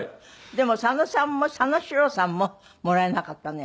でも佐野さんも佐野史郎さんももらえなかったの？